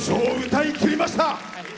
歌いきりました！